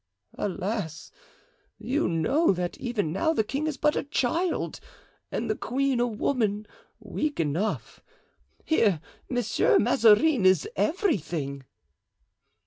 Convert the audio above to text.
"Alas! you know that even now the king is but a child and the queen a woman weak enough. Here, Monsieur Mazarin is everything."